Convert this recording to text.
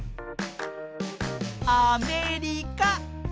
アメリカ。